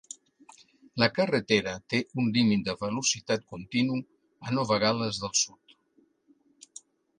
La carretera té un límit de velocitat continu a Nova Gal·les del Sud.